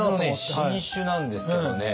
新酒なんですけどね。